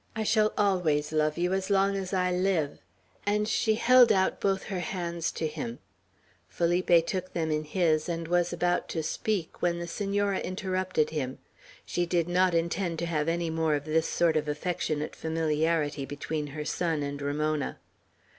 I shall always love you as long as I live;" and she held out both her hands to him. Felipe took them in his, and was about to speak, when the Senora interrupted him. She did not intend to have any more of this sort of affectionate familiarity between her son and Ramona.